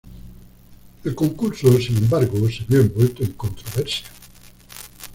El concurso, sin embargo, se vio envuelto en controversia.